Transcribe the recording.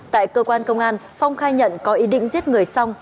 tại cơ quan công an phong khai nhận có ý định giết người xong